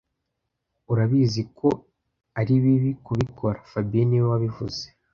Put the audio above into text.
Urabizi ko ari bibi kubikora fabien niwe wabivuze